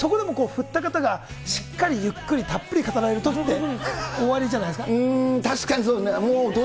そこでも振った方がしっかりゆっくりたっぷり語られると、終わりうーん、確かにそうですね。